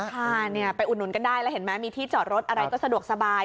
ค่ะไปอุดหนุนกันได้แล้วเห็นไหมมีที่จอดรถอะไรก็สะดวกสบาย